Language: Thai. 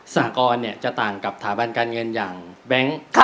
สหกรณ์เนี่ยจะต่างกับถาบันการเงินอย่างแบงค์